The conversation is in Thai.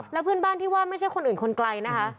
แล้วเพื่อนบ้านที่ว่าไม่ใช่คนอื่นคนไกลนะคะ